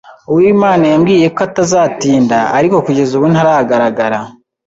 Uwimana yambwiye ko atazatinda, ariko kugeza ubu ntaragaragara.